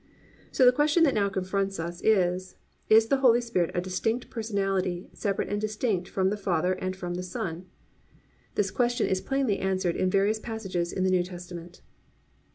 So the question that now confronts us is, Is the Holy Spirit a distinct personality separate and distinct from the Father and from the Son? This question is plainly answered in various passages in the New Testament.